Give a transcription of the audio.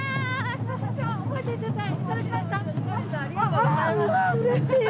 うれしい！